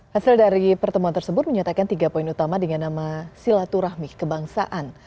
hasil dari pertemuan tersebut menyatakan tiga poin utama dengan nama silaturahmi kebangsaan